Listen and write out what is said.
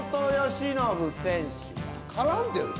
絡んでるの？